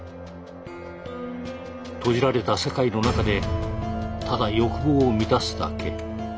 閉じられた世界の中でただ欲望を満たすだけ。